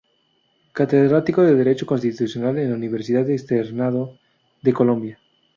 Catedrático de Derecho Constitucional en la Universidad Externado de Colombia.